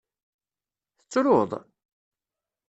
Tettruḍ?